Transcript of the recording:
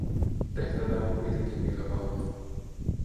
Tehtävää on kuitenkin vielä paljon.